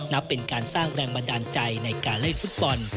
นับเป็นการสร้างแรงบันดาลใจในการเล่นฟุตบอล